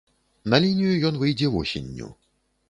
На лінію ён выйдзе восенню.